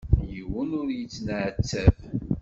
Yiwen ur yettenɛettab.